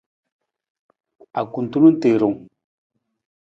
Akutulung tiirung.